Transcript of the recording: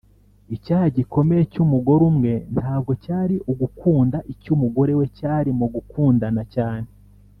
icyaha gikomeye cyumugore umwe ntabwo cyari ugukunda, icy'umugore we cyari mukundana cyane